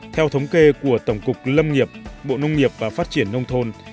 theo thống kê của tổng cục lâm nghiệp bộ nông nghiệp và phát triển nông thôn